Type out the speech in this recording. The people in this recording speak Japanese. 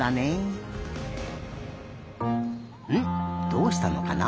どうしたのかな？